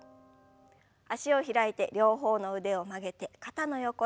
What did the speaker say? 脚を開いて両方の腕を曲げて肩の横へ。